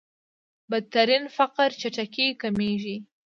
بدترين فقر چټکۍ کمېږي.